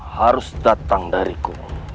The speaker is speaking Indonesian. harus datang dariku